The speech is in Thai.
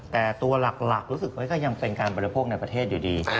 แต่ตัวหลักรู้สึกก็ยังเป็นการบริโภคในประเทศอยู่ดี